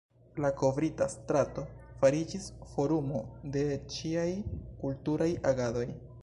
La kovrita strato fariĝis forumo de ĉiaj kulturaj agadoj.